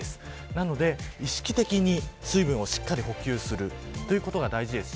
なので意識的に水分をしっかり補給するということが大事です。